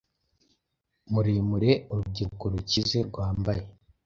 muremure urubyiruko rukize rwambaye,